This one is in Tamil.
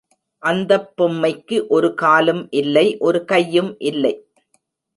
அந்தப் பொம்மைக்கு ஒரு காலும் இல்லை ஒரு கையும் இல்லை.